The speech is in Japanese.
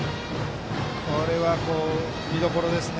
これは見どころですね。